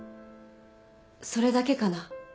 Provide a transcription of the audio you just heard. それだけかな？